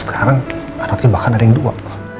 sekarang berarti bahkan ada yang dua